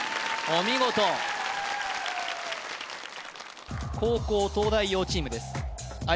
お見事後攻東大王チームです